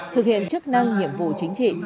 thực hiện chức năng nhiệm vụ chính trị